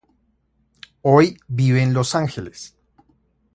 Hoy vive en Los Ángeles.